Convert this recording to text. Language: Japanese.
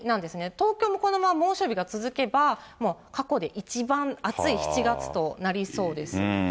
東京もこのまま猛暑日が続けば、過去で一番暑い７月となりそうです。